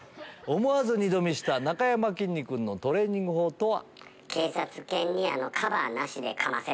思わず二度見したなかやまきんに君のトレーニング法とは？